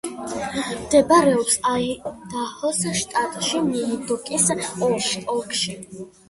მდებარეობს აიდაჰოს შტატში, მინიდოკის ოლქში.